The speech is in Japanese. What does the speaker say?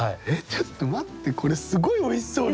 ちょっと待ってこれすごい美味しそう。